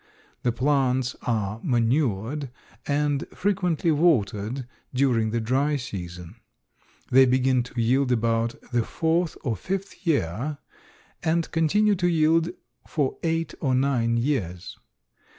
The plants are manured and frequently watered during the dry season. They begin to yield about the fourth or fifth year and continue to yield for eight or nine years.